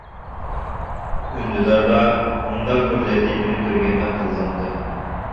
ئۈندىداردا مۇنداق بىر لەتىپىنى كۆرگەندەك قىلغانتىم.